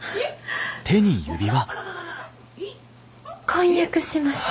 婚約しました。